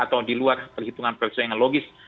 atau di luar perhitungan perusahaan yang logis